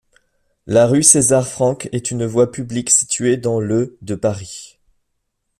La rue César-Franck est une voie publique située dans le de Paris.